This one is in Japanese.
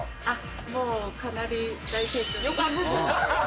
もうかなり大盛況。